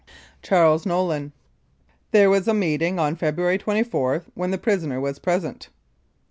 CHARLES NO LIN : There was a meeting on Feb ruary 24, when the prisoner was present.